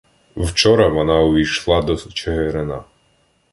Вчора вона увійшла до Чигирина.